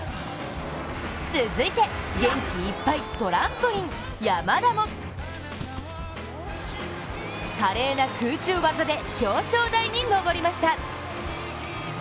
続いて、元気いっぱい、トランポリン山田も華麗な空中技で表彰台に上りました。